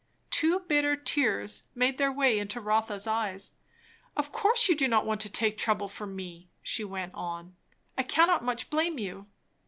Two bitter tears made their way into Rotha's eyes. "Of course you do not want to take trouble for me," she went on. "I cannot much blame you."